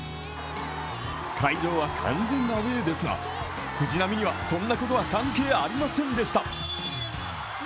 会場は完全アウェーですが、藤波にはそんなことは関係ありませんでした。